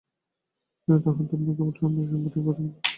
কিন্তু তাঁহার ধর্ম কেবল সন্ন্যাসি-সম্প্রদায়ের উপযোগী ধর্ম।